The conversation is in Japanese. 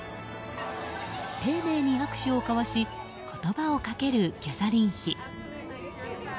丁寧に握手を交わし言葉をかけるキャサリン妃。